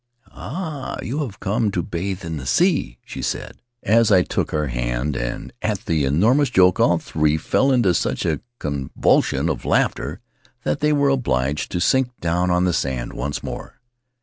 "Ah, you have come to bathe in the sea," she said, as I took her hand, and at this enormous joke all three fell into such a convulsion of laughter that they were obliged to sink down on the sand once more.